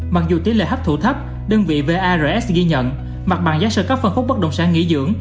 mặc dù tỷ lệ hấp thụ thấp đơn vị vas ghi nhận mặt bằng giá sơ cấp phân khúc bất động sản nghỉ dưỡng